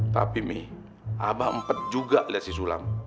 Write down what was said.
tapi mi abah empet juga liat si sulam